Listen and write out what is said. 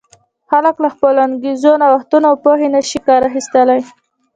خلک له خپلو انګېزو، نوښتونو او پوهې نه شي کار اخیستلای.